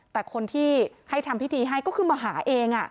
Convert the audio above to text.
แต่คนที่ให้ทำพิธีให้ก็คือมาหาเอง